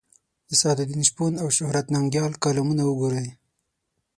د سعدالدین شپون او شهرت ننګیال کالمونه وګورئ.